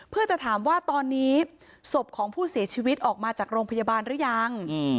เพื่อจะถามว่าตอนนี้ศพของผู้เสียชีวิตออกมาจากโรงพยาบาลหรือยัง